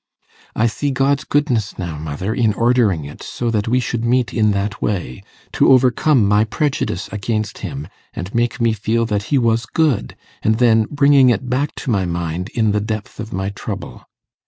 'I see God's goodness now, mother, in ordering it so that we should meet in that way, to overcome my prejudice against him, and make me feel that he was good, and then bringing it back to my mind in the depth of my trouble.